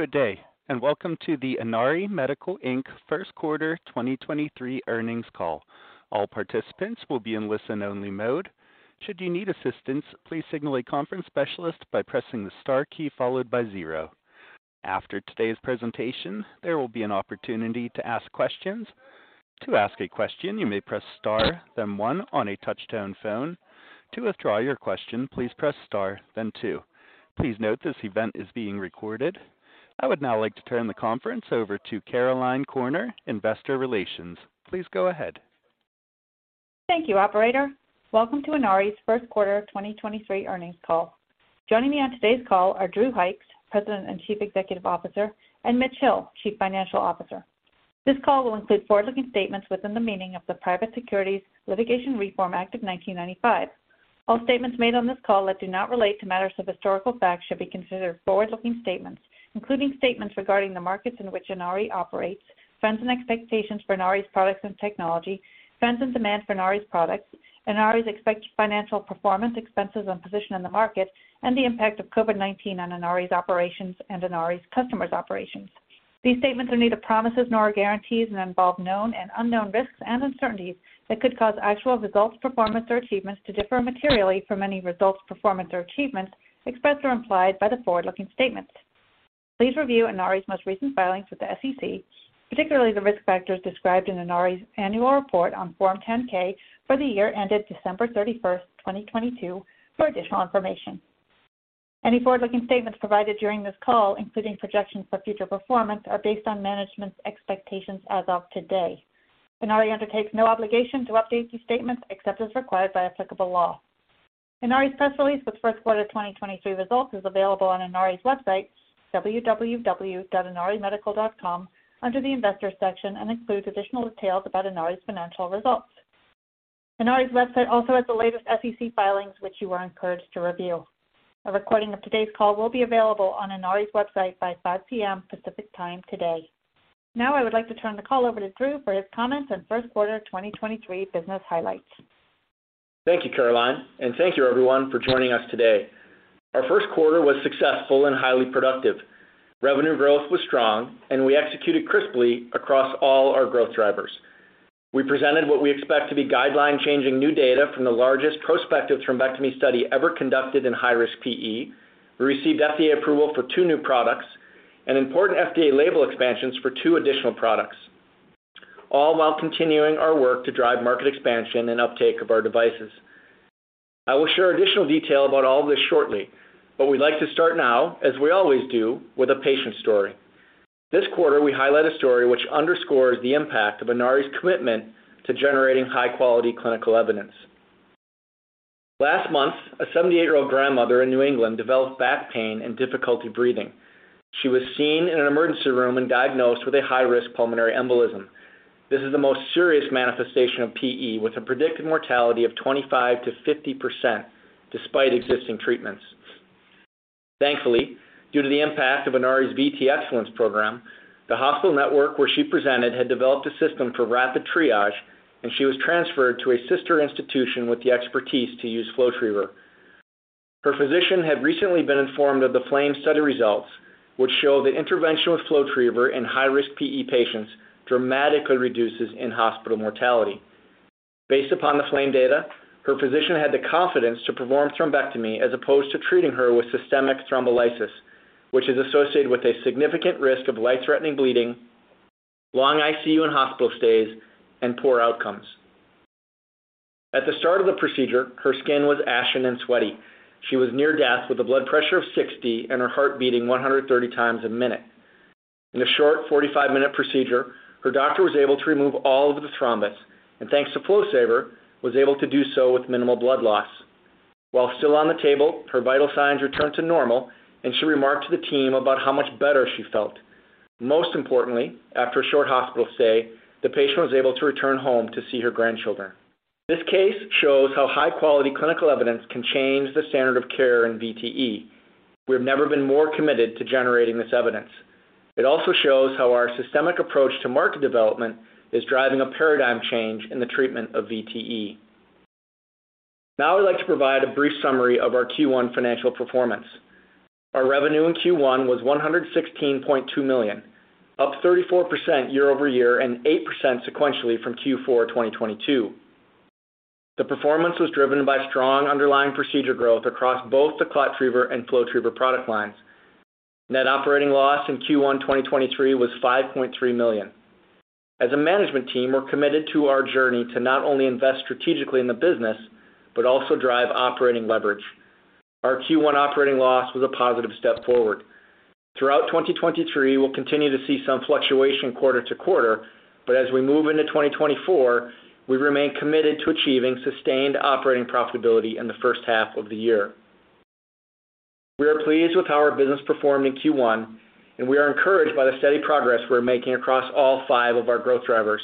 Good day, and welcome to the Inari Medical, Inc. first quarter 2023 earnings call. All participants will be in listen-only mode. Should you need assistance, please signal a conference specialist by pressing the star key followed by zero. After today's presentation, there will be an opportunity to ask questions. To ask a question, you may press star then one on a touch-tone phone. To withdraw your question, please press star then two. Please note this event is being recorded. I would now like to turn the conference over to Caroline Corner, Investor Relations. Please go ahead. Thank you, operator. Welcome to Inari's first quarter 2023 earnings call. Joining me on today's call are Drew Hykes, President and Chief Executive Officer; and Mitch Hill, Chief Financial Officer. This call will include forward-looking statements within the meaning of the Private Securities Litigation Reform Act of 1995. All statements made on this call that do not relate to matters of historical fact should be considered forward-looking statements, including statements regarding the markets in which Inari operates, trends and expectations for Inari's products and technology, trends and demand for Inari's products, Inari's expected financial performance, expenses and position in the market, and the impact of COVID-19 on Inari's operations and Inari's customers' operations. These statements are neither promises nor guarantees and involve known and unknown risks and uncertainties that could cause actual results, performance or achievements to differ materially from any results, performance or achievements expressed or implied by the forward-looking statements. Please review Inari's most recent filings with the SEC, particularly the risk factors described in Inari's annual report on Form 10-K for the year ended December 31st, 2022, for additional information. Any forward-looking statements provided during this call, including projections for future performance, are based on management's expectations as of today. Inari undertakes no obligation to update these statements except as required by applicable law. Inari's press release with first quarter 2023 results is available on Inari's website, www.inarimedical.com, under the Investors section and includes additional details about Inari's financial results. Inari's website also has the latest SEC filings, which you are encouraged to review. A recording of today's call will be available on Inari's website by 5:00 P.M. Pacific Time today. Now I would like to turn the call over to Drew for his comments on first quarter 2023 business highlights. Thank you, Caroline, and thank you everyone for joining us today. Our first quarter was successful and highly productive. Revenue growth was strong, and we executed crisply across all our growth drivers. We presented what we expect to be guideline-changing new data from the largest prospective thrombectomy study ever conducted in high-risk PE. We received FDA approval for two new products and important FDA label expansions for two additional products, all while continuing our work to drive market expansion and uptake of our devices. I will share additional detail about all this shortly, but we'd like to start now, as we always do, with a patient story. This quarter, we highlight a story which underscores the impact of Inari's commitment to generating high-quality clinical evidence. Last month, a 78-year-old grandmother in New England developed back pain and difficulty breathing. She was seen in an emergency room and diagnosed with a high-risk pulmonary embolism. This is the most serious manifestation of PE, with a predicted mortality of 25%-50% despite existing treatments. Thankfully, due to the impact of Inari's VTE Excellence program, the hospital network where she presented had developed a system for rapid triage, and she was transferred to a sister institution with the expertise to use FlowTriever. Her physician had recently been informed of the FLAME study results, which show that intervention with FlowTriever in high-risk PE patients dramatically reduces in-hospital mortality. Based upon the FLAME data, her physician had the confidence to perform thrombectomy as opposed to treating her with systemic thrombolysis, which is associated with a significant risk of life-threatening bleeding, long ICU and hospital stays, and poor outcomes. At the start of the procedure, her skin was ashen and sweaty. She was near death with a blood pressure of 60 and her heart beating 130 times a minute. In a short 45-minute procedure, her doctor was able to remove all of the thrombus and, thanks to FlowSaver, was able to do so with minimal blood loss. While still on the table, her vital signs returned to normal, and she remarked to the team about how much better she felt. Most importantly, after a short hospital stay, the patient was able to return home to see her grandchildren. This case shows how high-quality clinical evidence can change the standard of care in VTE. We've never been more committed to generating this evidence. It also shows how our systemic approach to market development is driving a paradigm change in the treatment of VTE. I'd like to provide a brief summary of our Q1 financial performance. Our revenue in Q1 was $116.2 million, up 34% year-over-year and 8% sequentially from Q4 2022. The performance was driven by strong underlying procedure growth across both the ClotTriever and FlowTriever product lines. Net operating loss in Q1 2023 was $5.3 million. As a management team, we're committed to our journey to not only invest strategically in the business, but also drive operating leverage. Our Q1 operating loss was a positive step forward. Throughout 2023, we'll continue to see some fluctuation quarter-to-quarter. As we move into 2024, we remain committed to achieving sustained operating profitability in the first half of the year. We are pleased with how our business performed in Q1. We are encouraged by the steady progress we're making across all five of our growth drivers.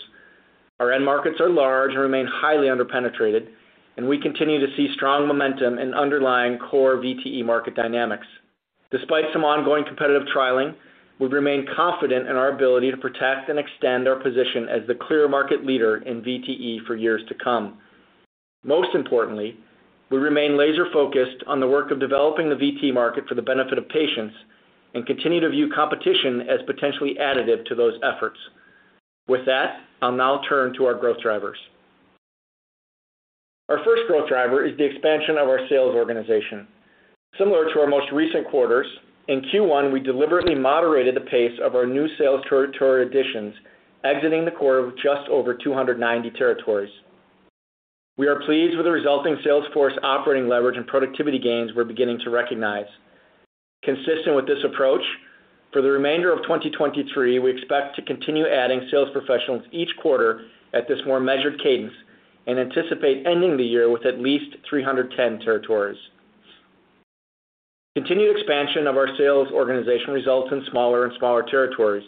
Our end markets are large and remain highly underpenetrated, and we continue to see strong momentum in underlying core VTE market dynamics. Despite some ongoing competitive trialing, we remain confident in our ability to protect and extend our position as the clear market leader in VTE for years to come. Most importantly, we remain laser focused on the work of developing the VT market for the benefit of patients and continue to view competition as potentially additive to those efforts. With that, I'll now turn to our growth drivers. Our first growth driver is the expansion of our sales organization. Similar to our most recent quarters, in Q1, we deliberately moderated the pace of our new sales territory additions, exiting the quarter with just over 290 territories. We are pleased with the resulting sales force operating leverage and productivity gains we're beginning to recognize. Consistent with this approach, for the remainder of 2023, we expect to continue adding sales professionals each quarter at this more measured cadence and anticipate ending the year with at least 310 territories. Continued expansion of our sales organization results in smaller and smaller territories.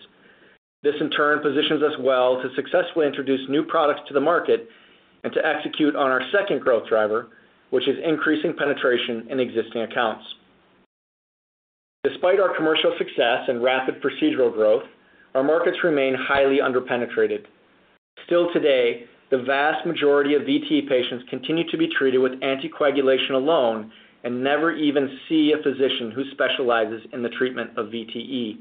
This, in turn, positions us well to successfully introduce new products to the market and to execute on our second growth driver, which is increasing penetration in existing accounts. Despite our commercial success and rapid procedural growth, our markets remain highly under-penetrated. Still today, the vast majority of VTE patients continue to be treated with anticoagulation alone and never even see a physician who specializes in the treatment of VTE.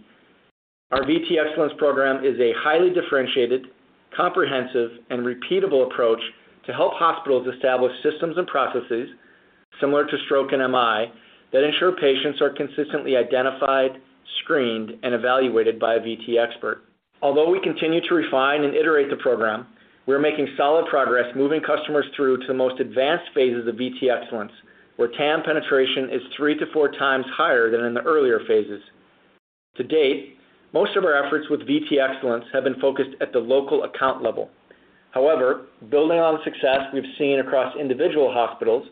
Our VTE Excellence Program is a highly differentiated, comprehensive, and repeatable approach to help hospitals establish systems and processes similar to stroke and MI that ensure patients are consistently identified, screened, and evaluated by a VTE expert. Although we continue to refine and iterate the program, we are making solid progress moving customers through to the most advanced phases of VTE Excellence, where TAM penetration is 3x to 4x higher than in the earlier phases. To date, most of our efforts with VTE Excellence have been focused at the local account level. However, building on success we've seen across individual hospitals,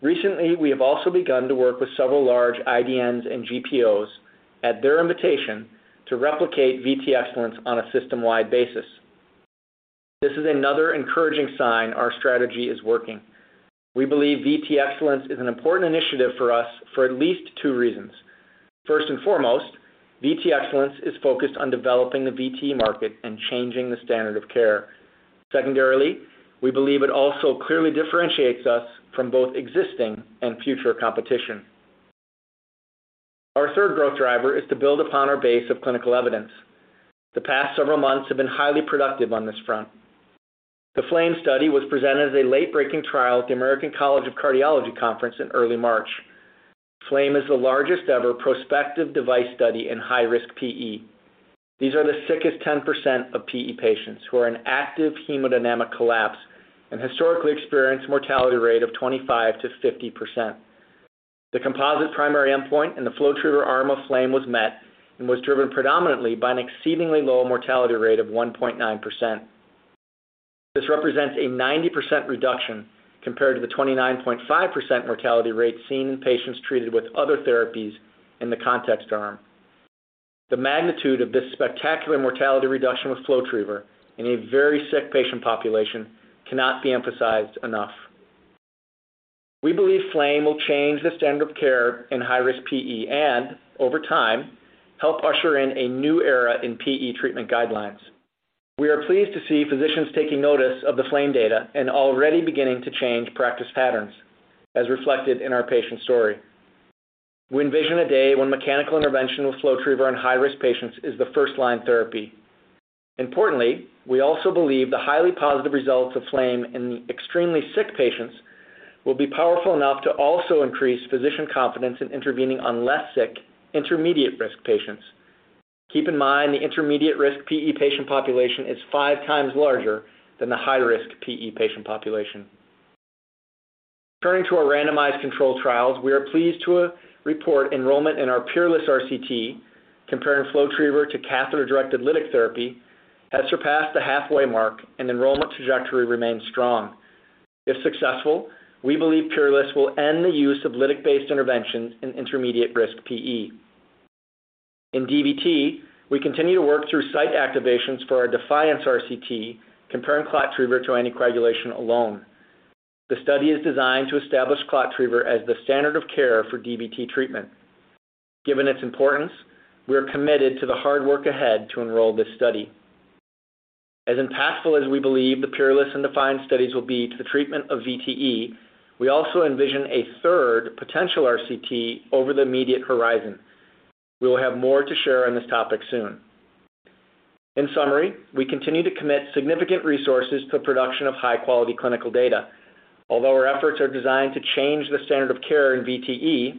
recently, we have also begun to work with several large IDNs and GPOs at their invitation to replicate VTE Excellence on a system-wide basis. This is another encouraging sign our strategy is working. We believe VTE Excellence is an important initiative for us for at least two reasons. First and foremost, VTE Excellence is focused on developing the VTE market and changing the standard of care. Secondarily, we believe it also clearly differentiates us from both existing and future competition. Our third growth driver is to build upon our base of clinical evidence. The past several months have been highly productive on this front. The FLAME study was presented as a late-breaking trial at the American College of Cardiology Conference in early March. FLAME is the largest ever prospective device study in high-risk PE. These are the sickest 10% of PE patients who are in active hemodynamic collapse and historically experience mortality rate of 25%-50%. The composite primary endpoint in the FlowTriever arm of FLAME was met and was driven predominantly by an exceedingly low mortality rate of 1.9%. This represents a 90% reduction compared to the 29.5% mortality rate seen in patients treated with other therapies in the context arm. The magnitude of this spectacular mortality reduction with FlowTriever in a very sick patient population cannot be emphasized enough. We believe FLAME will change the standard of care in high-risk PE and over time, help usher in a new era in PE treatment guidelines. We are pleased to see physicians taking notice of the FLAME data and already beginning to change practice patterns as reflected in our patient story. We envision a day when mechanical intervention with FlowTriever in high-risk patients is the first-line therapy. Importantly, we also believe the highly positive results of FLAME in extremely sick patients will be powerful enough to also increase physician confidence in intervening on less sick, intermediate-risk patients. Keep in mind, the intermediate risk PE patient population is five times larger than the high-risk PE patient population. Turning to our randomized control trials, we are pleased to report enrollment in our PEERLESS RCT comparing FlowTriever to catheter-directed lytic therapy has surpassed the halfway mark and enrollment trajectory remains strong. If successful, we believe PEERLESS will end the use of lytic-based interventions in intermediate-risk PE. In DVT, we continue to work through site activations for our DEFIANCE RCT comparing ClotTriever to anticoagulation alone. The study is designed to establish ClotTriever as the standard of care for DVT treatment. Given its importance, we are committed to the hard work ahead to enroll this study. As impactful as we believe the PEERLESS and DEFIANCE studies will be to the treatment of VTE, we also envision a third potential RCT over the immediate horizon. We will have more to share on this topic soon. In summary, we continue to commit significant resources to production of high-quality clinical data. Although our efforts are designed to change the standard of care in VTE,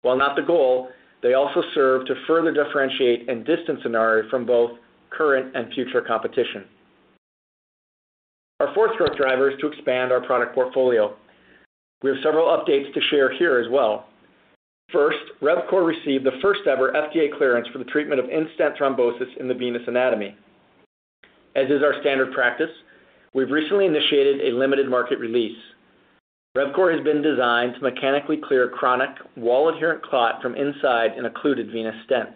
while not the goal, they also serve to further differentiate and distance Inari from both current and future competition. Our fourth growth driver is to expand our product portfolio. We have several updates to share here as well. First, RevCore received the first ever FDA clearance for the treatment of in-stent thrombosis in the venous anatomy. As is our standard practice, we've recently initiated a limited market release. RevCore has been designed to mechanically clear chronic wall-adherent clot from inside an occluded venous stent.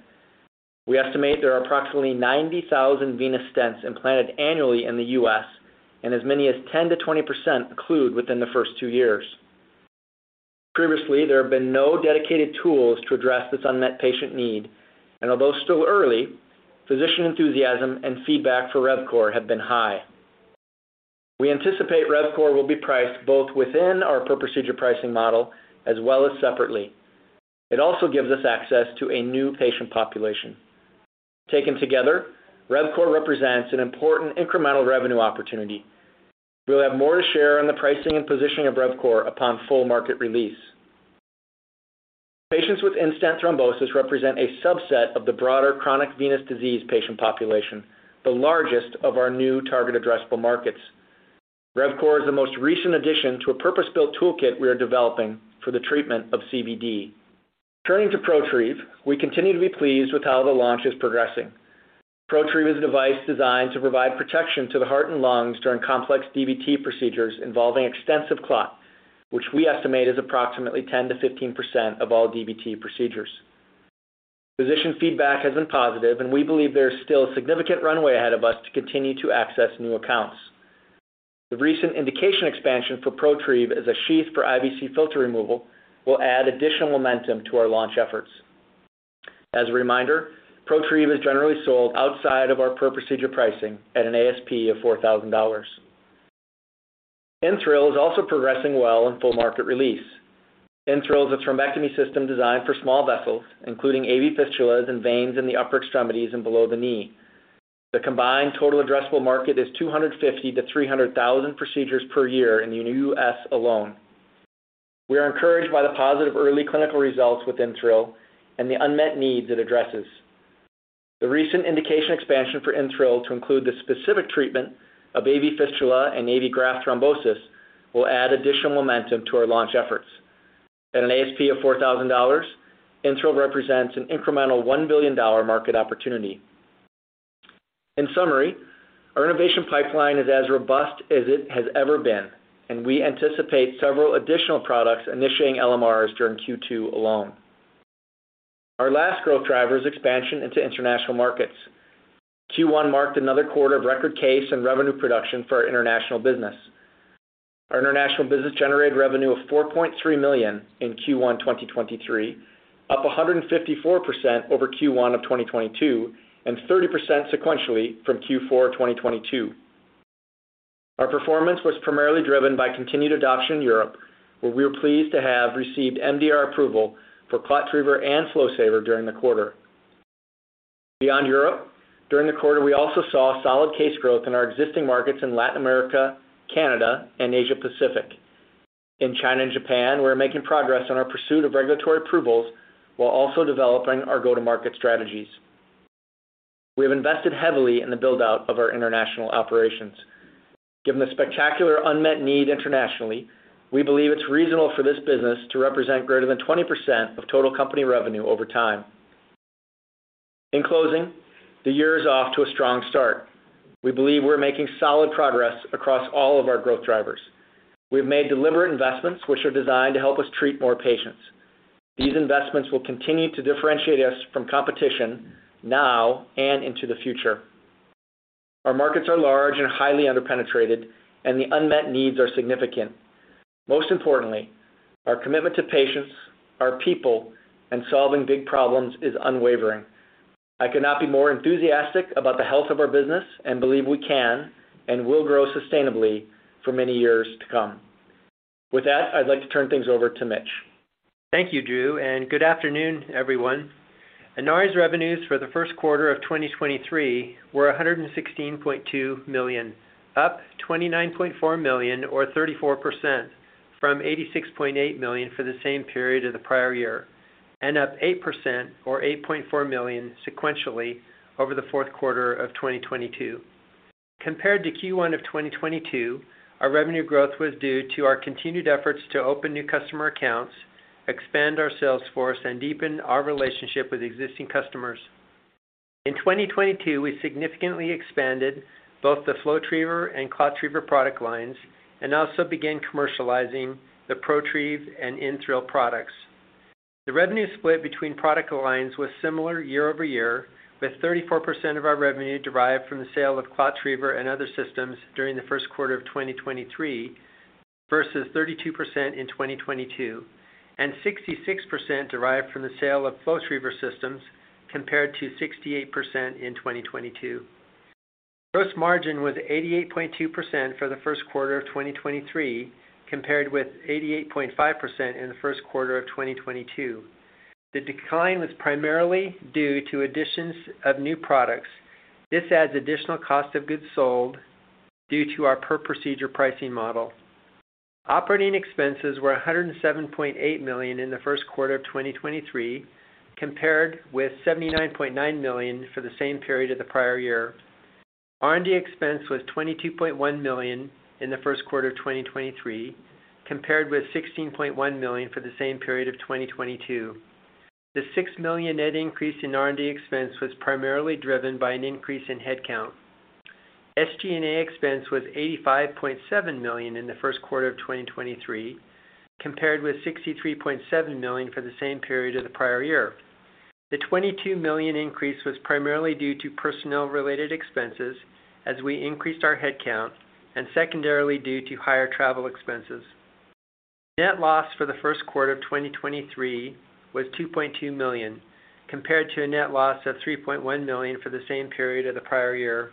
We estimate there are approximately 90,000 venous stents implanted annually in the U.S., as many as 10%-20% occlude within the first two years. Previously, there have been no dedicated tools to address this unmet patient need. Although still early, physician enthusiasm and feedback for RevCore have been high. We anticipate RevCore will be priced both within our per procedure pricing model as well as separately. It also gives us access to a new patient population. Taken together, RevCore represents an important incremental revenue opportunity. We'll have more to share on the pricing and positioning of RevCore upon full market release. Patients with in-stent thrombosis represent a subset of the broader chronic venous disease patient population, the largest of our new target addressable markets. RevCore is the most recent addition to a purpose-built toolkit we are developing for the treatment of CVD. Turning to ProTrieve, we continue to be pleased with how the launch is progressing. ProTrieve is a device designed to provide protection to the heart and lungs during complex DVT procedures involving extensive clot, which we estimate is approximately 10%-15% of all DVT procedures. We believe there is still a significant runway ahead of us to continue to access new accounts. The recent indication expansion for ProTrieve as a sheath for IVC filter removal will add additional momentum to our launch efforts. As a reminder, ProTrieve is generally sold outside of our per procedure pricing at an ASP of $4,000. InThrill is also progressing well in full market release. InThrill is a thrombectomy system designed for small vessels, including AV fistulas and veins in the upper extremities and below the knee. The combined total addressable market is 250,000-300,000 procedures per year in the U.S. alone. We are encouraged by the positive early clinical results with InThrill and the unmet needs it addresses. The recent indication expansion for InThrill to include the specific treatment of AV fistula and AV graft thrombosis will add additional momentum to our launch efforts. At an ASP of $4,000, InThrill represents an incremental $1 billion market opportunity. In summary, our innovation pipeline is as robust as it has ever been, and we anticipate several additional products initiating LMRs during Q2 alone. Our last growth driver is expansion into international markets. Q1 marked another quarter of record case and revenue production for our international business. Our international business generated revenue of $43 million in Q1 2023, up 154% over Q1 of 2022, and 30% sequentially from Q4 2022. Our performance was primarily driven by continued adoption in Europe, where we were pleased to have received MDR approval for ClotTriever and FlowSaver during the quarter. Beyond Europe, during the quarter, we also saw solid case growth in our existing markets in Latin America, Canada, and Asia Pacific. In China and Japan, we're making progress on our pursuit of regulatory approvals while also developing our go-to-market strategies. We have invested heavily in the build-out of our international operations. Given the spectacular unmet need internationally, we believe it's reasonable for this business to represent greater than 20% of total company revenue over time. In closing, the year is off to a strong start. We believe we're making solid progress across all of our growth drivers. We've made deliberate investments which are designed to help us treat more patients. These investments will continue to differentiate us from competition now and into the future. Our markets are large and highly underpenetrated, and the unmet needs are significant. Most importantly, our commitment to patients, our people, and solving big problems is unwavering. I could not be more enthusiastic about the health of our business and believe we can and will grow sustainably for many years to come. With that, I'd like to turn things over to Mitch. Thank you, Drew. Good afternoon, everyone. Inari's revenues for the first quarter of 2023 were $116.2 million, up $29.4 million or 34% from $86.8 million for the same period of the prior year, up 8% or $8.4 million sequentially over the fourth quarter of 2022. Compared to Q1 of 2022, our revenue growth was due to our continued efforts to open new customer accounts, expand our sales force, and deepen our relationship with existing customers. In 2022, we significantly expanded both the FlowTriever and ClotTriever product lines and also began commercializing the ProTrieve and InThrill products. The revenue split between product lines was similar year-over-year, with 34% of our revenue derived from the sale of ClotTriever and other systems during the first quarter of 2023 versus 32% in 2022, and 66% derived from the sale of FlowTriever systems, compared to 68% in 2022. Gross margin was 88.2% for the first quarter of 2023, compared with 88.5% in the first quarter of 2022. The decline was primarily due to additions of new products. This adds additional cost of goods sold due to our per procedure pricing model. Operating expenses were $107.8 million in the first quarter of 2023, compared with $79.9 million for the same period of the prior year. R&D expense was $22.1 million in the first quarter of 2023, compared with $16.1 million for the same period of 2022. The $6 million net increase in R&D expense was primarily driven by an increase in headcount. SG&A expense was $85.7 million in the first quarter of 2023, compared with $63.7 million for the same period of the prior year. The $22 million increase was primarily due to personnel related expenses as we increased our head count and secondarily due to higher travel expenses. Net loss for the first quarter of 2023 was $2.2 million, compared to a net loss of $3.1 million for the same period of the prior year.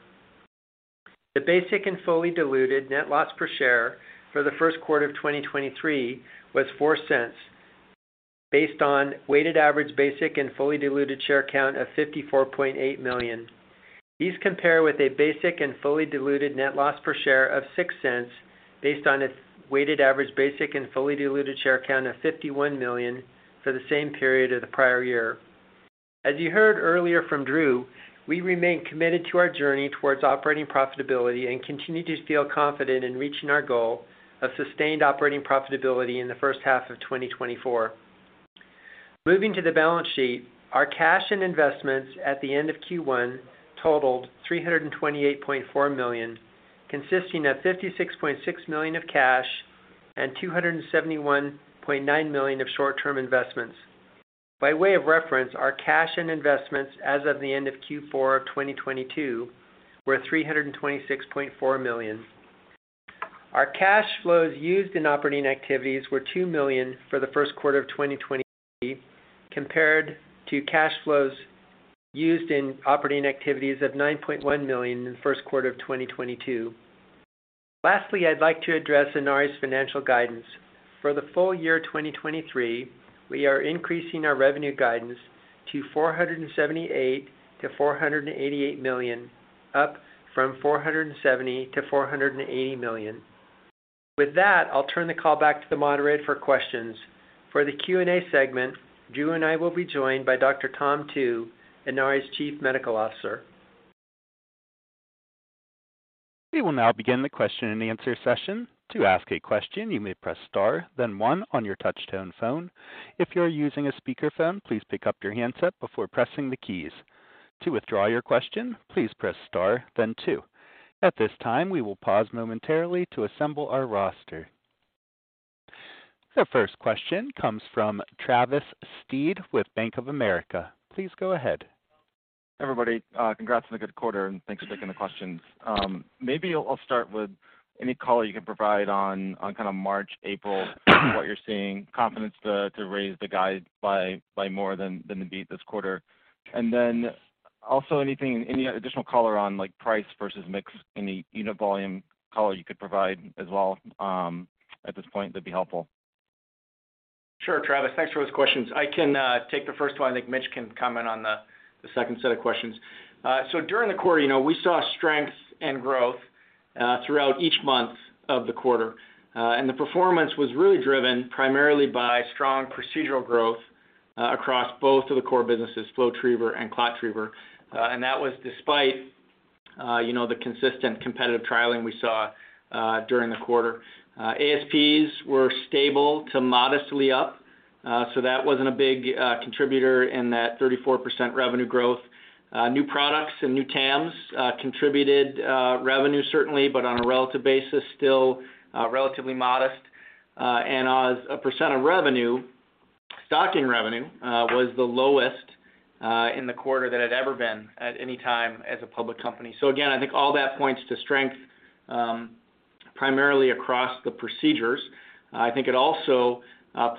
The basic and fully diluted net loss per share for the first quarter of 2023 was $0.04 based on weighted average basic and fully diluted share count of $54.8 million. These compare with a basic and fully diluted net loss per share of $0.06 based on a weighted average basic and fully diluted share count of $51 million for the same period of the prior year. As you heard earlier from Drew, we remain committed to our journey towards operating profitability and continue to feel confident in reaching our goal of sustained operating profitability in the first half of 2024. Moving to the balance sheet, our cash and investments at the end of Q1 totaled $328.4 million, consisting of $56.6 million of cash and $271.9 million of short-term investments. By way of reference, our cash and investments as of the end of Q4 of 2022 were $326.4 million. Our cash flows used in operating activities were $2 million for the first quarter of 2023 compared to cash flows used in operating activities of $9.1 million in the first quarter of 2022. I'd like to address Inari's financial guidance. For the full year 2023, we are increasing our revenue guidance to $478 million-$488 million, up from $470 million-$480 million. With that, I'll turn the call back to the moderator for questions. For the Q&A segment, Drew and I will be joined by Dr. Tom Tu, Inari's Chief Medical Officer. We will now begin the question and answer session. To ask a question, you may press star, then one on your touchtone phone. If you are using a speakerphone, please pick up your handset before pressing the keys. To withdraw your question, please press star then two. At this time, we will pause momentarily to assemble our roster. The first question comes from Travis Steed with Bank of America. Please go ahead. Everybody, congrats on a good quarter. Thanks for taking the questions. Maybe I'll start with any color you can provide on kind of March, April, what you're seeing, confidence to raise the guide by more than the beat this quarter. Also anything, any additional color on like price versus mix, any unit volume color you could provide as well, at this point that'd be helpful. Sure, Travis, thanks for those questions. I can take the first one. I think Mitch can comment on the second set of questions. During the quarter, you know, we saw strength and growth throughout each month of the quarter. The performance was really driven primarily by strong procedural growth across both of the core businesses, FlowTriever and ClotTriever. That was despite, you know, the consistent competitive trialing we saw during the quarter. ASPs were stable to modestly up. That wasn't a big contributor in that 34% revenue growth. New products and new TAMs contributed revenue certainly, but on a relative basis, still relatively modest. As a percentage of revenue, stocking revenue, was the lowest in the quarter than it had ever been at any time as a public company. Again, I think all that points to strength, primarily across the procedures. I think it also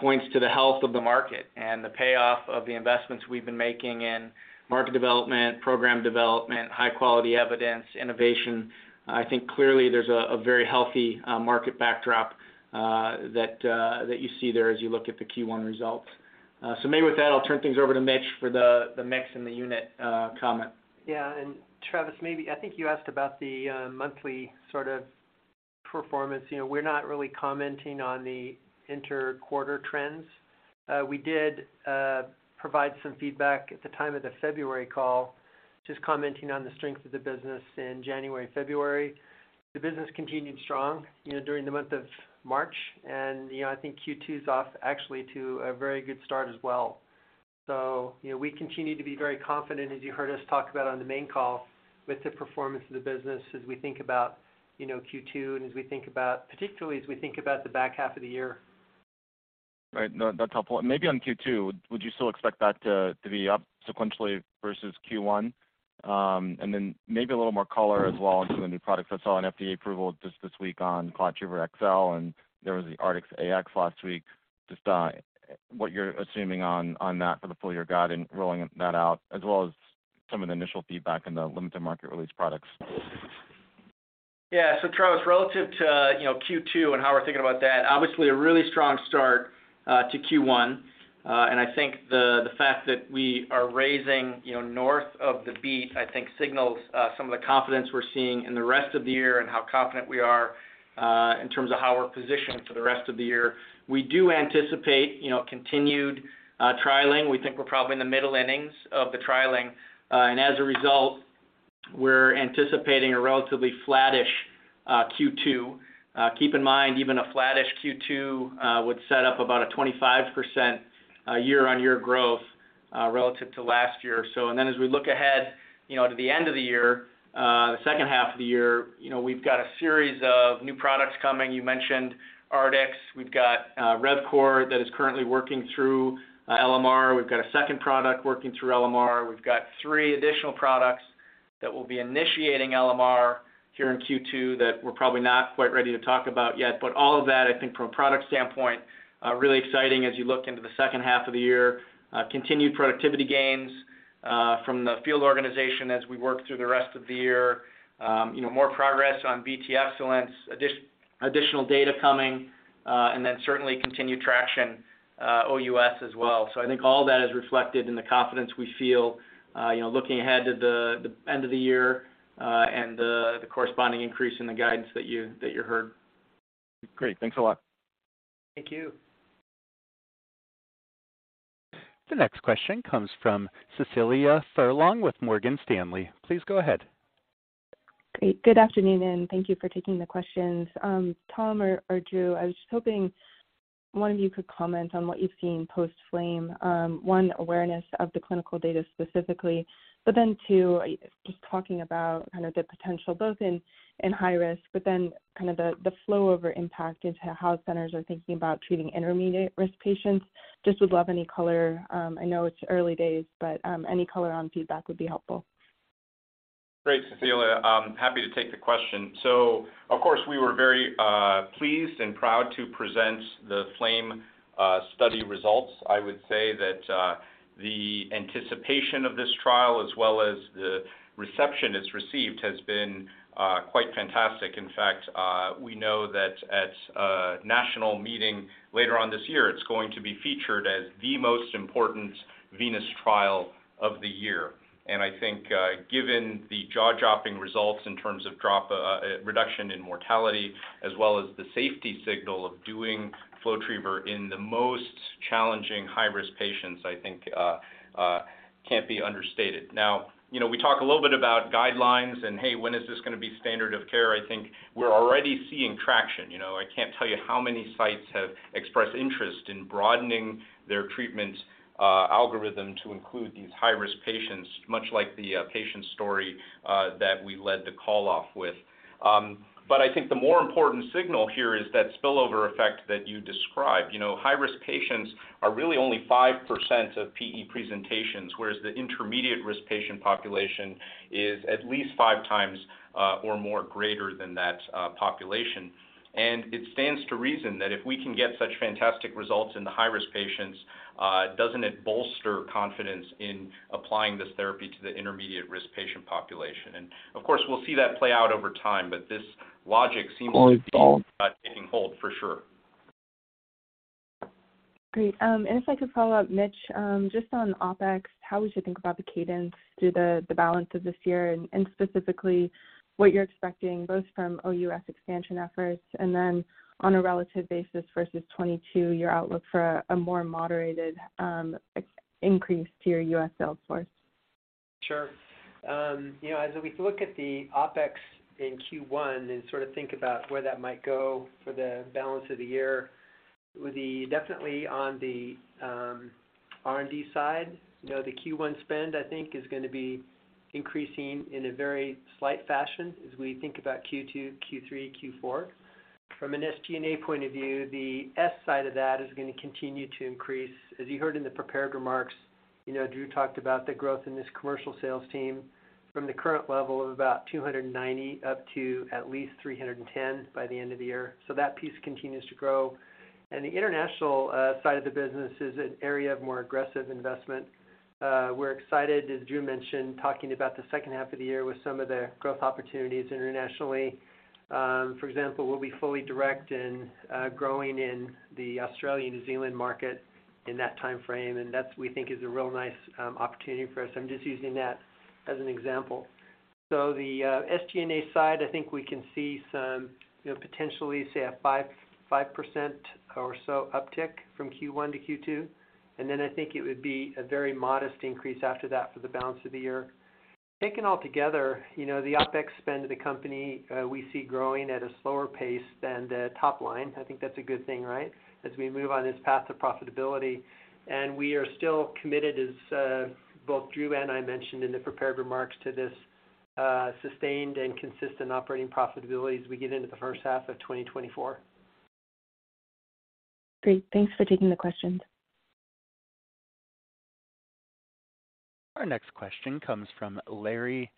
points to the health of the market and the payoff of the investments we've been making in market development, program development, high quality evidence, innovation. I think clearly there's a very healthy market backdrop that you see there as you look at the Q1 results. Maybe with that, I'll turn things over to Mitch for the mix and the unit comment. Yeah. Travis, maybe I think you asked about the monthly sort of performance. You know, we're not really commenting on the inter-quarter trends. We did provide some feedback at the time of the February call, just commenting on the strength of the business in January and February. The business continued strong, you know, during the month of March, and, you know, I think Q2 is off actually to a very good start as well. We continue to be very confident, as you heard us talk about on the main call, with the performance of the business as we think about, you know, Q2 and as we think about, particularly as we think about the back half of the year. Right. No, that's helpful. Maybe on Q2, would you still expect that to be up sequentially versus Q1? Maybe a little more color as well into the new products. I saw an FDA approval just this week on ClotTriever XL, and there was the Artix AX last week. Just what you're assuming on that for the full year guide and rolling that out, as well as some of the initial feedback on the limited market release products? Yeah. Travis, relative to, you know, Q2 and how we're thinking about that, obviously a really strong start to Q1. I think the fact that we are raising, you know, north of the beat, I think signals some of the confidence we're seeing in the rest of the year and how confident we are in terms of how we're positioned for the rest of the year. We do anticipate, you know, continued trialing. We think we're probably in the middle innings of the trialing. As a result, we're anticipating a relatively flattish Q2. Keep in mind, even a flattish Q2 would set up about a 25% year-on-year growth relative to last year. as we look ahead You know, to the end of the year, the second half of the year, you know, we've got a series of new products coming. You mentioned Artix. We've got RevCore that is currently working through LMR. We've got a second product working through LMR. We've got three additional products that will be initiating LMR here in Q2 that we're probably not quite ready to talk about yet. All of that, I think from a product standpoint, really exciting as you look into the second half of the year. Continued productivity gains from the field organization as we work through the rest of the year. You know, more progress on VTE Excellence, additional data coming, and then certainly continued traction OUS as well. I think all that is reflected in the confidence we feel, you know, looking ahead to the end of the year, and the corresponding increase in the guidance that you heard. Great. Thanks a lot. Thank you. The next question comes from Cecilia Furlong with Morgan Stanley. Please go ahead. Great. Good afternoon, and thank you for taking the questions. Tom or Drew, I was just hoping one of you could comment on what you've seen post-FLAME, one, awareness of the clinical data specifically. Two, just talking about kind of the potential both in high risk, but then kind of the flowover impact into how centers are thinking about treating intermediate risk patients. Just would love any color. I know it's early days, but any color on feedback would be helpful. Great, Cecilia. Happy to take the question. Of course, we were very pleased and proud to present the FLAME study results. I would say that the anticipation of this trial as well as the reception it's received has been quite fantastic. In fact, we know that at a national meeting later on this year, it's going to be featured as the most important venous trial of the year. I think, given the jaw-dropping results in terms of reduction in mortality as well as the safety signal of doing FlowTriever in the most challenging high-risk patients, I think can't be understated. Now, you know, we talk a little bit about guidelines and, hey, when is this gonna be standard of care? I think we're already seeing traction. You know, I can't tell you how many sites have expressed interest in broadening their treatment algorithm to include these high-risk patients, much like the patient story that we led the call off with. I think the more important signal here is that spillover effect that you described. You know, high-risk patients are really only 5% of PE presentations, whereas the intermediate risk patient population is at least 5x or more greater than that population. It stands to reason that if we can get such fantastic results in the high-risk patients, doesn't it bolster confidence in applying this therapy to the intermediate risk patient population? Of course, we'll see that play out over time, but this logic seems to be. Only fall... taking hold for sure. Great. If I could follow up, Mitch, just on OpEx, how we should think about the cadence through the balance of this year, and specifically what you're expecting both from OUS expansion efforts and then on a relative basis versus 2022, your outlook for a more moderated, increase to your U.S. sales force. Sure. You know, as we look at the OpEx in Q1 and sort of think about where that might go for the balance of the year, it would be definitely on the R&D side. You know, the Q1 spend, I think, is gonna be increasing in a very slight fashion as we think about Q2, Q3, Q4. From an SG&A point of view, the S side of that is gonna continue to increase. As you heard in the prepared remarks, you know, Drew talked about the growth in this commercial sales team from the current level of about 290 up to at least 310 by the end of the year. That piece continues to grow. The international side of the business is an area of more aggressive investment. We're excited, as Drew mentioned, talking about the second half of the year with some of the growth opportunities internationally. For example, we'll be fully direct and growing in the Australian/New Zealand market in that timeframe, and that we think is a real nice opportunity for us. I'm just using that as an example. The SG&A side, I think we can see some, you know, potentially, say a 5% or so uptick from Q1 to Q2. I think it would be a very modest increase after that for the balance of the year. Taken all together, you know, the OpEx spend of the company, we see growing at a slower pace than the top line. I think that's a good thing, right? As we move on this path to profitability. We are still committed, as, both Drew and I mentioned in the prepared remarks, to this, sustained and consistent operating profitability as we get into the first half of 2024. Great. Thanks for taking the questions. Our next question comes from Larry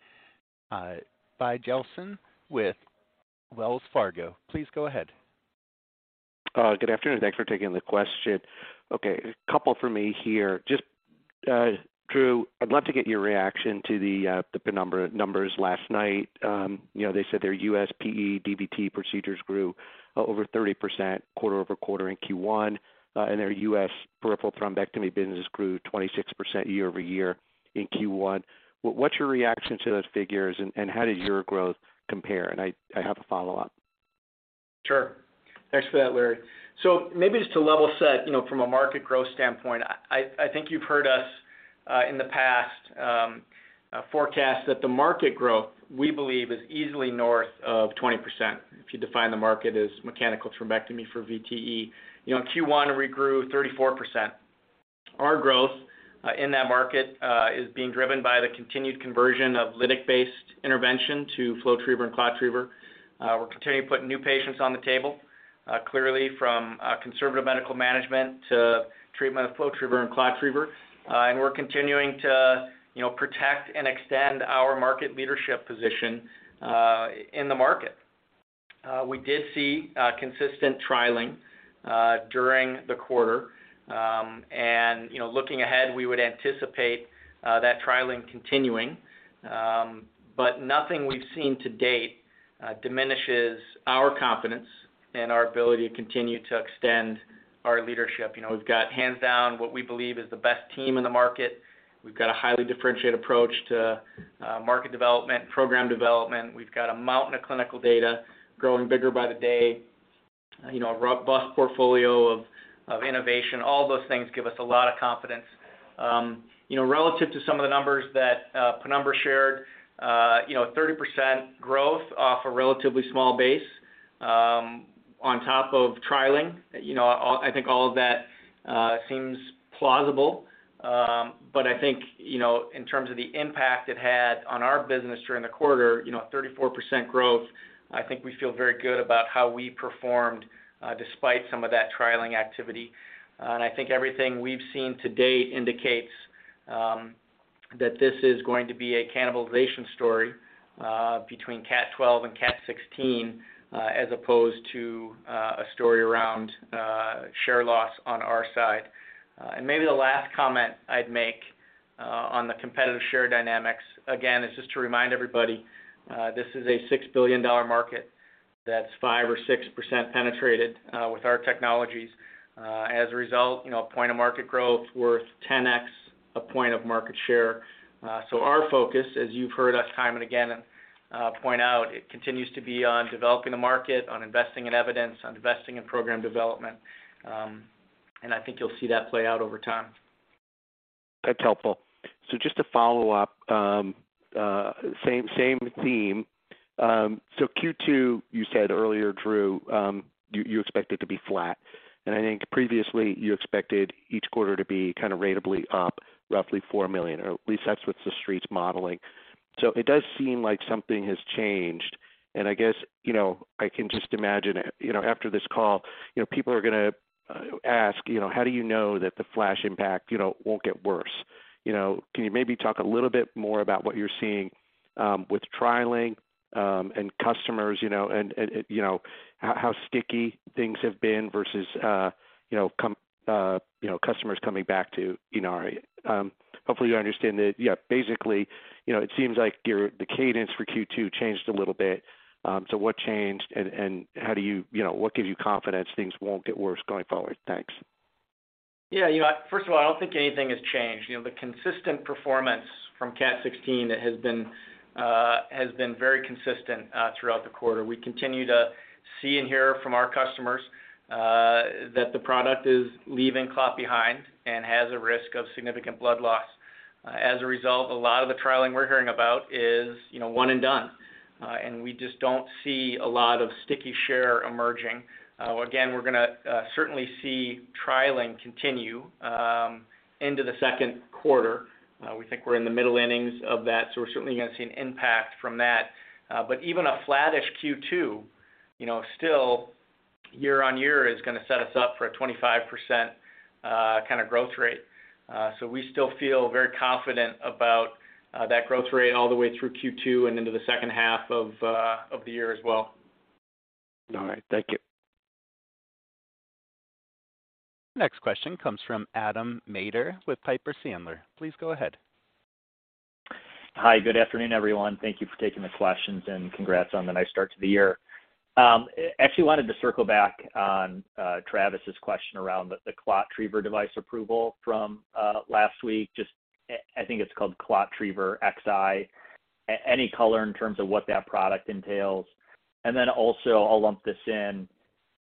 Biegelsen with Wells Fargo. Please go ahead. Good afternoon. Thanks for taking the question. Okay, a couple for me here. Just, Drew, I'd love to get your reaction to the Penumbra numbers last night. You know, they said their U.S. PE DVT procedures grew over 30% quarter-over-quarter in Q1, and their U.S. peripheral thrombectomy business grew 26% year-over-year in Q1. What's your reaction to those figures, and how does your growth compare? I have a follow-up. Sure. Thanks for that, Larry. Maybe just to level set, you know, from a market growth standpoint, I think you've heard us in the past forecast that the market growth we believe is easily north of 20%, if you define the market as mechanical thrombectomy for VTE. You know, in Q1, we grew 34% Our growth in that market is being driven by the continued conversion of lytic-based intervention to FlowTriever and ClotTriever. We're continuing to put new patients on the table, clearly from a conservative medical management to treatment of FlowTriever and ClotTriever. We're continuing to, you know, protect and extend our market leadership position in the market. We did see consistent trialing during the quarter. You know, looking ahead, we would anticipate that trialing continuing. Nothing we've seen to date diminishes our confidence and our ability to continue to extend our leadership. You know, we've got hands down what we believe is the best team in the market. We've got a highly differentiated approach to market development, program development. We've got a mountain of clinical data growing bigger by the day, you know, a robust portfolio of innovation. All those things give us a lot of confidence. You know, relative to some of the numbers that Penumbra shared, you know, 30% growth off a relatively small base on top of trialing. You know, I think all of that seems plausible. I think, you know, in terms of the impact it had on our business during the quarter, you know, 34% growth, I think we feel very good about how we performed despite some of that trialing activity. I think everything we've seen to date indicates that this is going to be a cannibalization story between CAT12 and CAT16 as opposed to a story around share loss on our side. Maybe the last comment I'd make on the competitive share dynamics, again, is just to remind everybody, this is a $6 billion market that's 5% or 6% penetrated with our technologies. As a result, you know, a point of market growth worth 10x, a point of market share. Our focus, as you've heard us time and again, point out, it continues to be on developing the market, on investing in evidence, on investing in program development. I think you'll see that play out over time. That's helpful. Just to follow up, same theme. Q2, you said earlier, Drew, you expect it to be flat. I think previously you expected each quarter to be kind of ratably up roughly $4 million, or at least that's what the Street's modeling. It does seem like something has changed. I guess, you know, I can just imagine, you know, after this call, you know, people are gonna ask, you know, how do you know that the FLASH impact, you know, won't get worse? You know, can you maybe talk a little bit more about what you're seeing with trialing and customers, you know, and, you know, how sticky things have been versus, you know, customers coming back to Inari? Hopefully, you understand it. Yeah, basically, you know, it seems like the cadence for Q2 changed a little bit. What changed and how do you know, what gives you confidence things won't get worse going forward? Thanks. You know, first of all, I don't think anything has changed. You know, the consistent performance from CAT16 has been very consistent throughout the quarter. We continue to see and hear from our customers that the product is leaving clot behind and has a risk of significant blood loss. As a result, a lot of the trialing we're hearing about is, you know, one and done. We just don't see a lot of sticky share emerging. Again, we're gonna certainly see trialing continue into the second quarter. We think we're in the middle innings of that, we're certainly gonna see an impact from that. Even a flattish Q2, you know, still year-over-year is gonna set us up for a 25% kind of growth rate. We still feel very confident about that growth rate all the way through Q2 and into the second half of the year as well. All right. Thank you. Next question comes from Adam Maeder with Piper Sandler. Please go ahead. Hi. Good afternoon, everyone. Thank you for taking the questions, and congrats on the nice start to the year. Actually wanted to circle back on Travis's question around the ClotTriever approval from last week, just I think it's called ClotTriever XL. Any color in terms of what that product entails? Also, I'll lump this in,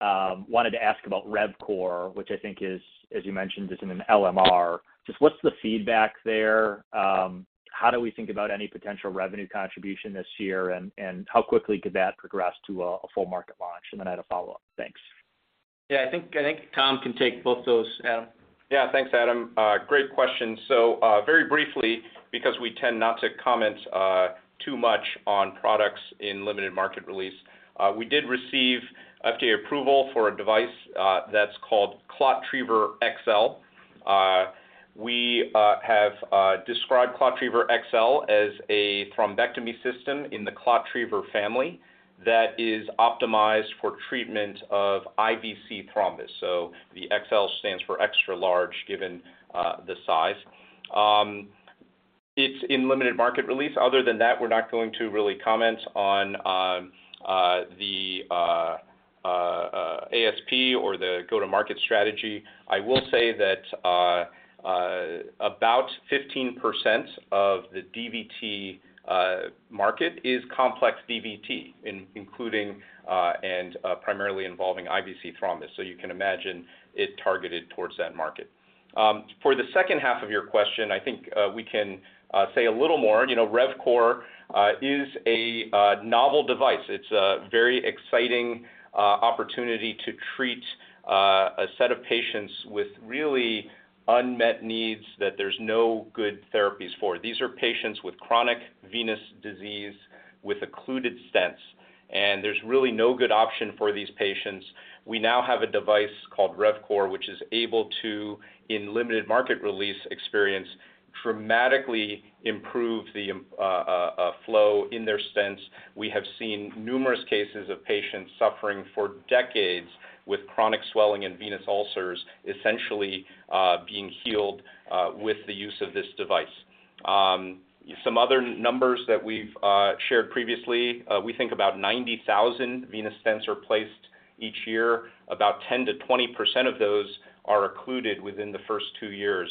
wanted to ask about RevCore, which I think is, as you mentioned, is in an LMR. Just what's the feedback there? How do we think about any potential revenue contribution this year, and how quickly could that progress to a full market launch? I had a follow-up. Thanks. Yeah. I think Tom can take both those, Adam. Yeah. Thanks, Adam. Great question. Very briefly, because we tend not to comment too much on products in limited market release, we did receive FDA approval for a device that's called ClotTriever XL. We have described ClotTriever XL as a thrombectomy system in the ClotTriever family that is optimized for treatment of IVC thrombus. The XL stands for extra large, given the size. It's in limited market release. Other than that, we're not going to really comment on the ASP or the go-to-market strategy. I will say that about 15% of the DVT market is complex DVT, including and primarily involving IVC thrombus. You can imagine it targeted towards that market. For the second half of your question, I think we can say a little more. You know, RevCore is a novel device. It's a very exciting opportunity to treat a set of patients with really-unmet needs that there's no good therapies for. These are patients with chronic venous disease with occluded stents, and there's really no good option for these patients. We now have a device called RevCore, which is able to, in limited market release experience, dramatically improve the flow in their stents. We have seen numerous cases of patients suffering for decades with chronic swelling and venous ulcers essentially being healed with the use of this device. Some other numbers that we've shared previously, we think about 90,000 venous stents are placed each year. About 10%-20% of those are occluded within the first two years.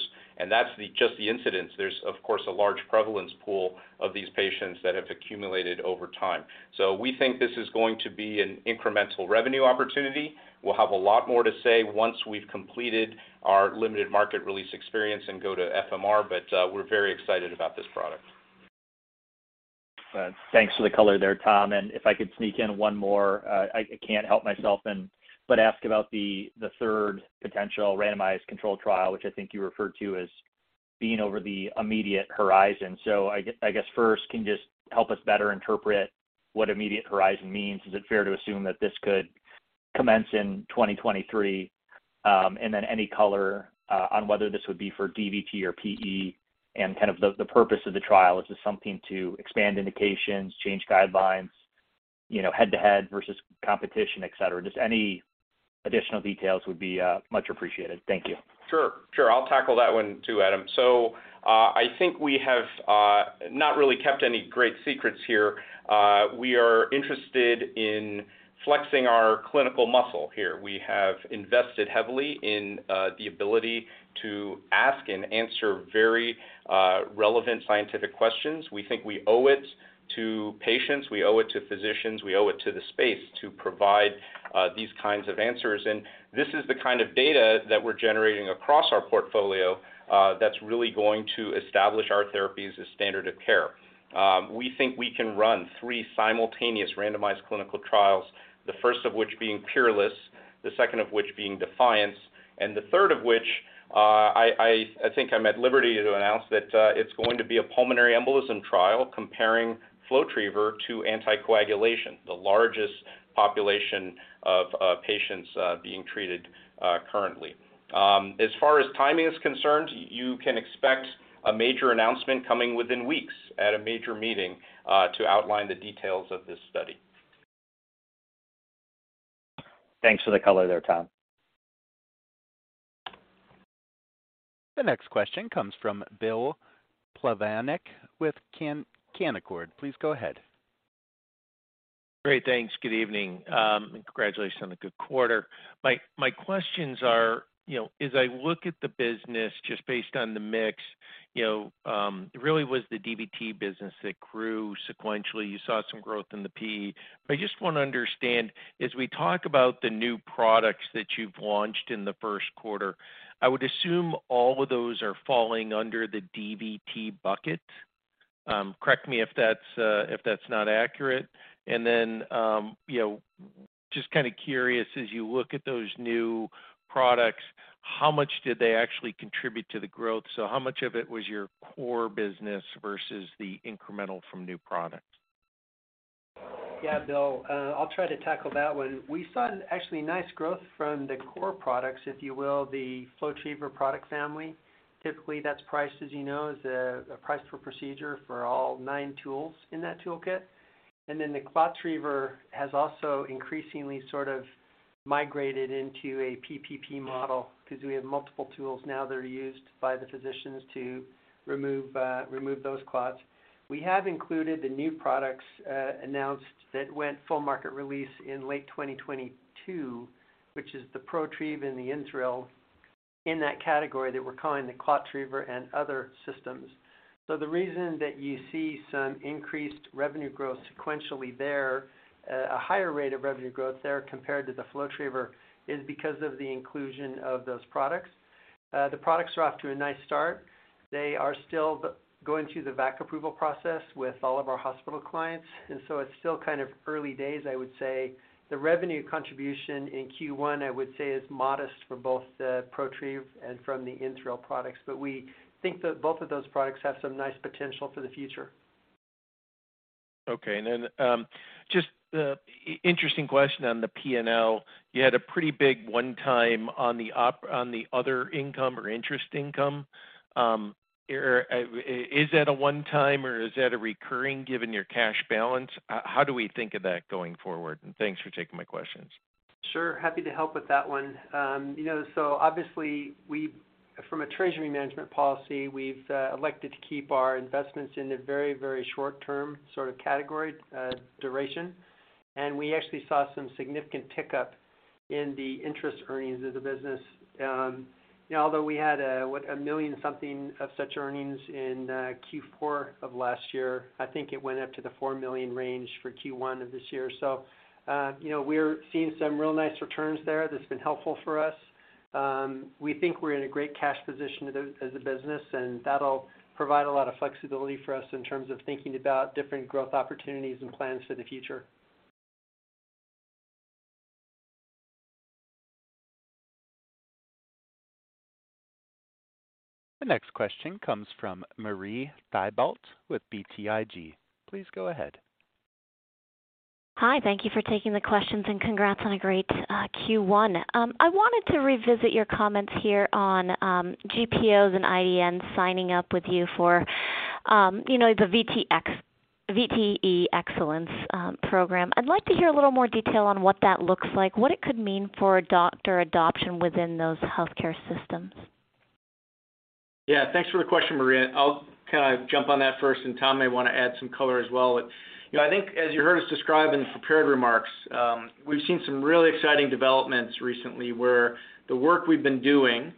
That's just the incidence. There's, of course, a large prevalence pool of these patients that have accumulated over time. We think this is going to be an incremental revenue opportunity. We'll have a lot more to say once we've completed our limited market release experience and go to FMR, but we're very excited about this product. Thanks for the color there, Tom. If I could sneak in one more, I can't help myself but ask about the third potential randomized controlled trial, which I think you referred to as being over the immediate horizon. I guess first, can you just help us better interpret what immediate horizon means? Is it fair to assume that this could commence in 2023? Then any color on whether this would be for DVT or PE and kind of the purpose of the trial. Is this something to expand indications, change guidelines, you know, head-to-head versus competition, et cetera? Just any additional details would be much appreciated. Thank you. Sure. Sure. I'll tackle that one too, Adam. I think we have not really kept any great secrets here. We are interested in flexing our clinical muscle here. We have invested heavily in the ability to ask and answer very relevant scientific questions. We think we owe it to patients, we owe it to physicians, we owe it to the space to provide these kinds of answers. This is the kind of data that we're generating across our portfolio that's really going to establish our therapies as standard of care. We think we can run three simultaneous randomized clinical trials, the first of which being PEERLESS, the second of which being DEFIANCE, and the third of which, I think I'm at liberty to announce that it's going to be a pulmonary embolism trial comparing FlowTriever to anticoagulation, the largest population of patients being treated currently. As far as timing is concerned, you can expect a major announcement coming within weeks at a major meeting to outline the details of this study. Thanks for the color there, Tom. The next question comes from Bill Plovanic with Canaccord. Please go ahead. Great. Thanks. Good evening. Congratulations on the good quarter. My, my questions are, you know, as I look at the business, just based on the mix, you know, it really was the DVT business that grew sequentially. You saw some growth in the PE. I just want to understand, as we talk about the new products that you've launched in the first quarter, I would assume all of those are falling under the DVT bucket. Correct me if that's, if that's not accurate. You know, just kind of curious, as you look at those new products, how much did they actually contribute to the growth? How much of it was your core business versus the incremental from new products? Yeah, Bill. I'll try to tackle that one. We saw an actually nice growth from the core products, if you will, the FlowTriever product family. Typically, that's priced, as you know, as a price per procedure for all nine tools in that toolkit. The ClotTriever has also increasingly sort of migrated into a PPP model because we have multiple tools now that are used by the physicians to remove those clots. We have included the new products announced that went full market release in late 2022, which is the ProTrieve and the InThrill in that category that we're calling the ClotTriever and other systems. The reason that you see some increased revenue growth sequentially there, a higher rate of revenue growth there compared to the FlowTriever is because of the inclusion of those products. The products are off to a nice start. They are still going through the VAC approval process with all of our hospital clients. It's still kind of early days, I would say. The revenue contribution in Q1, I would say, is modest for both the ProTrieve and from the InThrill products. We think that both of those products have some nice potential for the future. Okay. Just, interesting question on the P&L. You had a pretty big one-time on the other income or interest income. Is that a one-time, or is that a recurring, given your cash balance? How do we think of that going forward? Thanks for taking my questions. Sure. Happy to help with that one. You know, obviously from a treasury management policy, we've elected to keep our investments in a very, very short term sort of category, duration. We actually saw some significant pickup in the interest earnings of the business. You know, although we had, what, $1 million something of such earnings in Q4 2023, I think it went up to the $4 million range for Q1 2024. You know, we're seeing some real nice returns there that's been helpful for us. We think we're in a great cash position as a business, and that'll provide a lot of flexibility for us in terms of thinking about different growth opportunities and plans for the future. The next question comes from Marie Thibault with BTIG. Please go ahead. Hi. Thank you for taking the questions and congrats on a great Q1. I wanted to revisit your comments here on GPOs and IDNs signing up with you for, you know, the VTE Excellence program. I'd like to hear a little more detail on what that looks like, what it could mean for a doctor adoption within those healthcare systems. Thanks for the question, Marie. I'll kinda jump on that first, Tom Tu may wanna add some color as well. You know, I think as you heard us describe in the prepared remarks, we've seen some really exciting developments recently, where the work we've been doing,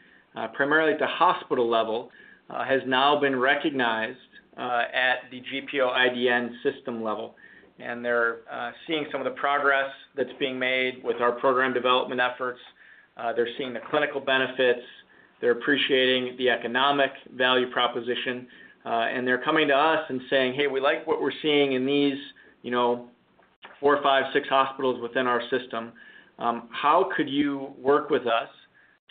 primarily at the hospital level, has now been recognized at the GPO/IDN system level. They're seeing some of the progress that's being made with our program development efforts. They're seeing the clinical benefits. They're appreciating the economic value proposition, they're coming to us and saying, "Hey, we like what we're seeing in these, you know, four, five, six hospitals within our system. How could you work with us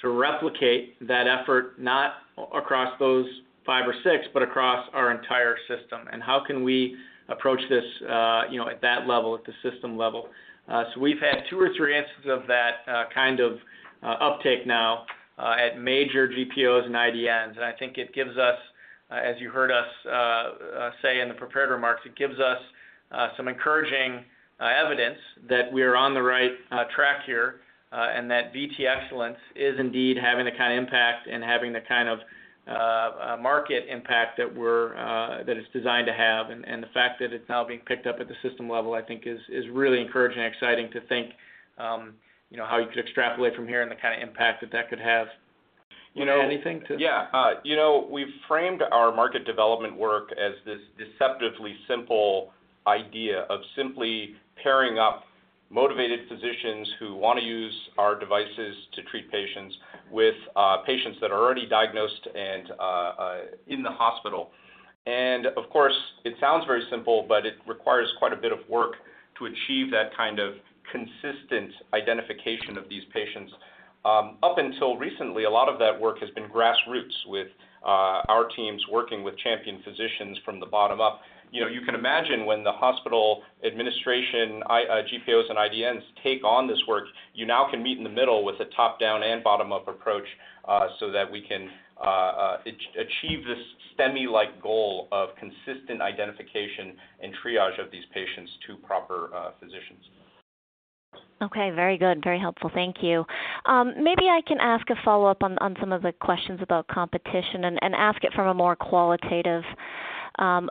to replicate that effort not across those five or six, but across our entire system? How can we approach this, you know, at that level, at the system level?" We've had two or three instances of that, kind of, uptake now, at major GPOs and IDNs, and I think it gives us, as you heard us, say in the prepared remarks, it gives us, some encouraging, evidence that we're on the right, track here, and that VTE Excellence is indeed having the kind of impact and having the kind of, market impact that we're, that it's designed to have. The fact that it's now being picked up at the system level, I think is really encouraging and exciting to think, you know, how you could extrapolate from here and the kind of impact that that could have. You know. Want to add anything to-? Yeah. you know, we've framed our market development work as this deceptively simple idea of simply pairing up motivated physicians who wanna use our devices to treat patients with patients that are already diagnosed and in the hospital. Of course, it sounds very simple, but it requires quite a bit of work to achieve that kind of consistent identification of these patients. Up until recently, a lot of that work has been grassroots with our teams working with champion physicians from the bottom up. you know, you can imagine when the hospital administration, GPOs and IDNs take on this work, you now can meet in the middle with a top-down and bottom-up approach, so that we can achieve this STEMI-like goal of consistent identification and triage of these patients to proper physicians. Okay. Very good. Very helpful. Thank you. Maybe I can ask a follow-up on some of the questions about competition and ask it from a more qualitative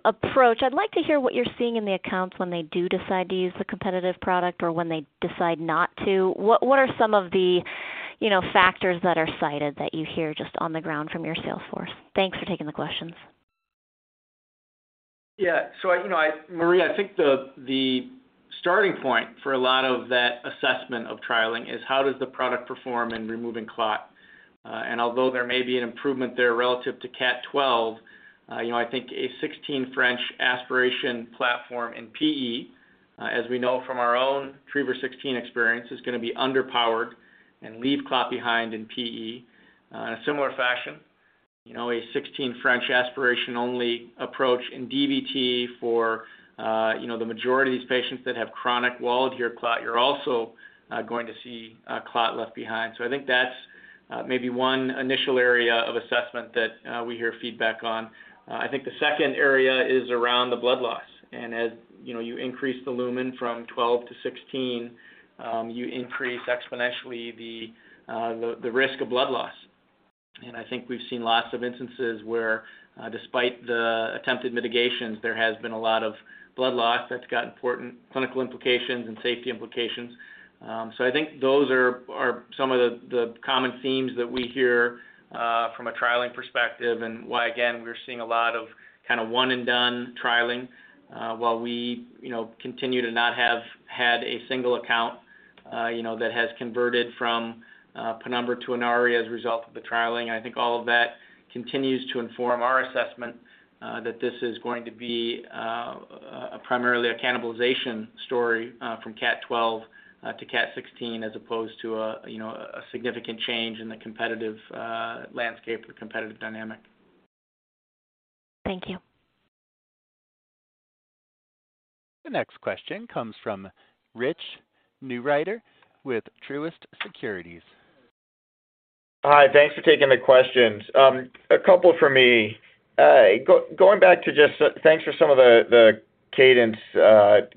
approach. I'd like to hear what you're seeing in the accounts when they do decide to use the competitive product or when they decide not to. What are some of the, you know, factors that are cited that you hear just on the ground from your sales force? Thanks for taking the questions. You know, Marie, I think the starting point for a lot of that assessment of trialing is how does the product perform in removing clot. Although there may be an improvement there relative to CAT12, you know, I think a 16 French aspiration platform in PE, as we know from our own Triever16 experience, is gonna be underpowered and leave clot behind in PE. In a similar fashion, you know, a 16 French aspiration-only approach in DVT for, you know, the majority of these patients that have chronic wall adhere clot, you're also going to see clot left behind. I think that's maybe one initial area of assessment that we hear feedback on. I think the second area is around the blood loss. As, you know, you increase the lumen from 12 to 16, you increase exponentially the risk of blood loss. I think we've seen lots of instances where, despite the attempted mitigations, there has been a lot of blood loss that's got important clinical implications and safety implications. I think those are some of the common themes that we hear from a trialing perspective and why, again, we're seeing a lot of kind of one and done trialing, while we, you know, continue to not have had a single account, you know, that has converted from Penumbra to Inari as a result of the trialing. I think all of that continues to inform our assessment, that this is going to be primarily a cannibalization story, from CAT12, to CAT16, as opposed to a, you know, a significant change in the competitive, landscape or competitive dynamic. Thank you. The next question comes from Rich Newitter with Truist Securities. Hi. Thanks for taking the questions. A couple from me. Thanks for some of the cadence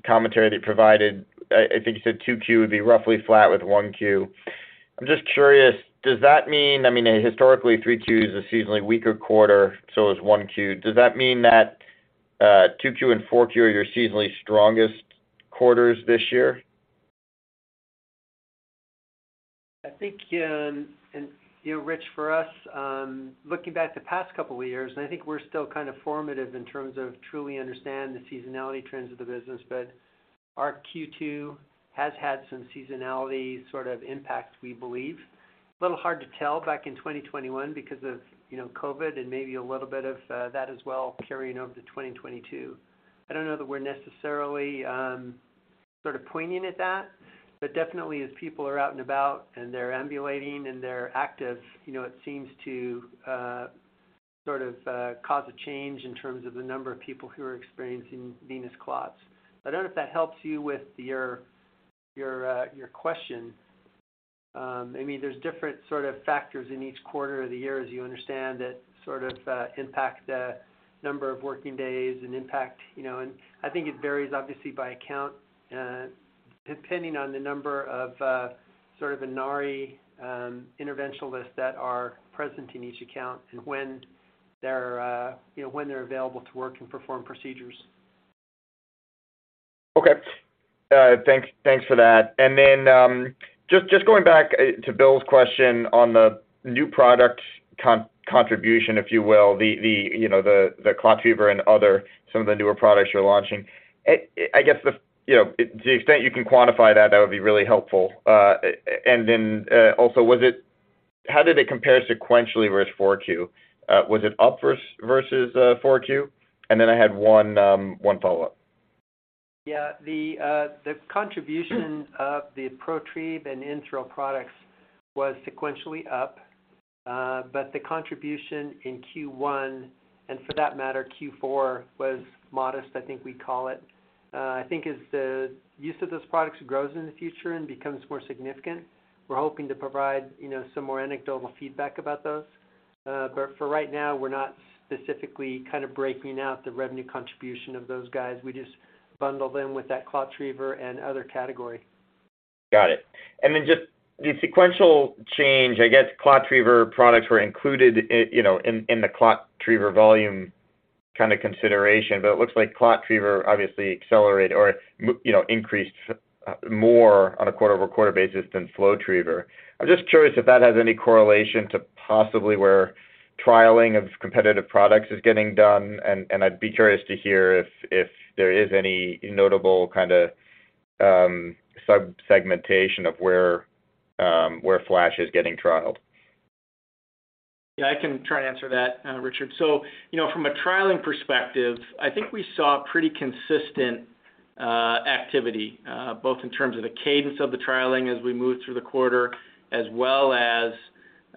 commentary that you provided. I think you said 2Q would be roughly flat with 1Q. I'm just curious, does that mean, historically, 3Q is a seasonally weaker quarter, so is 1Q? Does that mean that 2Q and 4Q are your seasonally strongest quarters this year? I think, and, you know, Rich, for us, looking back the past couple of years, and I think we're still kind of formative in terms of truly understanding the seasonality trends of the business, but our Q2 has had some seasonality sort of impact, we believe. A little hard to tell back in 2021 because of, you know, COVID and maybe a little bit of that as well carrying over to 2022. I don't know that we're necessarily sort of poignant at that, but definitely as people are out and about, and they're ambulating and they're active, you know, it seems to sort of cause a change in terms of the number of people who are experiencing venous clots. I don't know if that helps you with your, your question. I mean, there's different sort of factors in each quarter of the year, as you understand, that sort of impact the number of working days and impact, you know... I think it varies obviously by account, depending on the number of, sort of Inari interventionalists that are present in each account and when they're, you know, when they're available to work and perform procedures. Okay. Thanks for that. Just going back to Bill's question on the new product contribution, if you will. The, you know, the ClotTriever and other some of the newer products you're launching. I guess the, you know, to the extent you can quantify that would be really helpful. Also, how did it compare sequentially versus 4Q? Was it up versus 4Q? I had one follow-up. Yeah. The contribution of the ProTrieve and Intri24 products was sequentially up. The contribution in Q1, and for that matter, Q4, was modest, I think we'd call it. I think as the use of those products grows in the future and becomes more significant, we're hoping to provide, you know, some more anecdotal feedback about those. For right now, we're not specifically kind of breaking out the revenue contribution of those guys. We just bundle them with that ClotTriever and other category. Got it. Then just the sequential change, I guess ClotTriever products were included you know, in the ClotTriever volume kind of consideration. It looks like ClotTriever obviously accelerated or you know, increased more on a quarter-over-quarter basis than FlowTriever. I'm just curious if that has any correlation to possibly where trialing of competitive products is getting done. I'd be curious to hear if there is any notable kinda sub-segmentation of where FLASH is getting trialed. Yeah, I can try and answer that, Richard. From a trialing perspective, you know, I think we saw pretty consistent activity both in terms of the cadence of the trialing as we moved through the quarter, as well as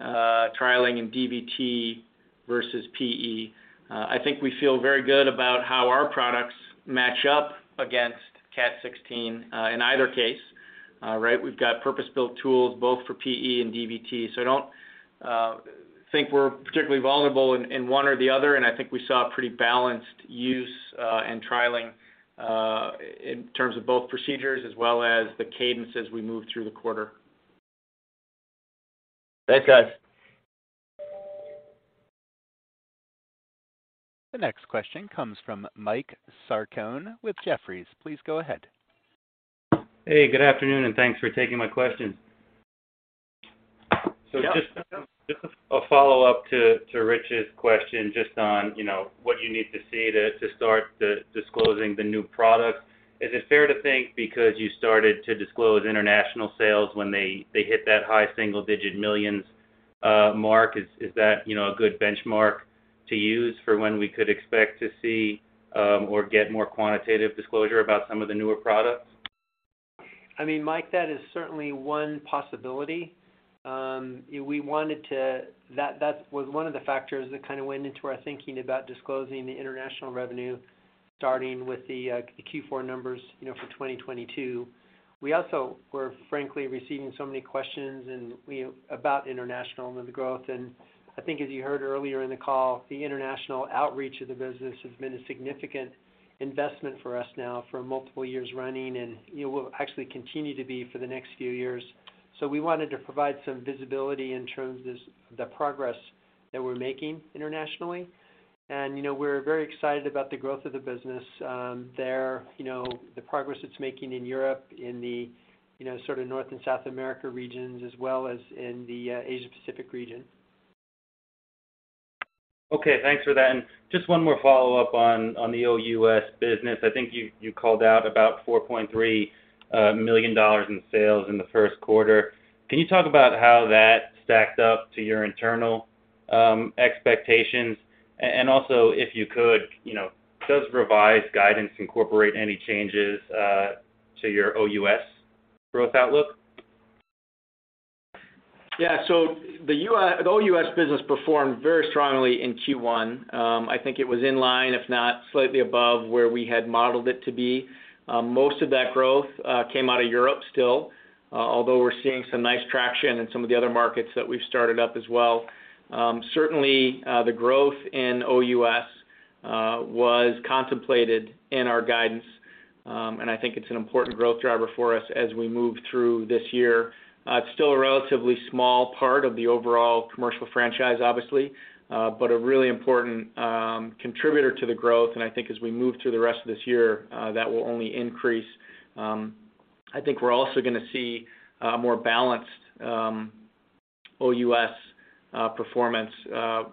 trialing in DVT versus PE. I think we feel very good about how our products match up against CAT16 in either case. Right, we've got purpose-built tools both for PE and DVT. I don't think we're particularly vulnerable in one or the other, and I think we saw a pretty balanced use and trialing in terms of both procedures as well as the cadence as we moved through the quarter. Thanks, guys. The next question comes from Mike Sarcone with Jefferies. Please go ahead. Hey, good afternoon, and thanks for taking my questions. Yeah. Just a follow-up to Rich's question, just on, you know, what you need to see to start disclosing the new products. Is it fair to think because you started to disclose international sales when they hit that high single digit millions mark, is that, you know, a good benchmark to use for when we could expect to see or get more quantitative disclosure about some of the newer products? I mean, Mike, that is certainly one possibility. We wanted to. That was one of the factors that kind of went into our thinking about disclosing the international revenue, starting with the Q4 numbers, you know, for 2022. We also were frankly receiving so many questions and about international and the growth. I think as you heard earlier in the call, the international outreach of the business has been a significant investment for us now for multiple years running, and, you know, will actually continue to be for the next few years. So we wanted to provide some visibility in terms of this, the progress that we're making internationally. You know, we're very excited about the growth of the business there. You know, the progress it's making in Europe, in the, you know, sort of North and South America regions, as well as in the Asia-Pacific region. Okay, thanks for that. Just one more follow-up on the OUS business. I think you called out about $4.3 million in sales in the first quarter. Can you talk about how that stacked up to your internal expectations? Also, if you could, you know, does revised guidance incorporate any changes to your OUS growth outlook? Yeah. The OUS business performed very strongly in Q1. I think it was in line, if not slightly above, where we had modeled it to be. Most of that growth came out of Europe still, although we're seeing some nice traction in some of the other markets that we've started up as well. Certainly, the growth in OUS was contemplated in our guidance, and I think it's an important growth driver for us as we move through this year. It's still a relatively small part of the overall commercial franchise, obviously, but a really important contributor to the growth. I think as we move through the rest of this year, that will only increase. I think we're also gonna see more balanced OUS performance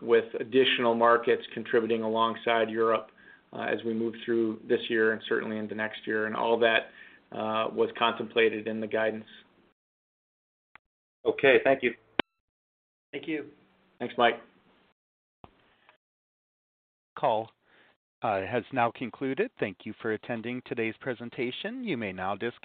with additional markets contributing alongside Europe as we move through this year and certainly into next year. All of that was contemplated in the guidance. Okay. Thank you. Thank you. Thanks, Mike. Call has now concluded. Thank you for attending today's presentation. You may now disconnect.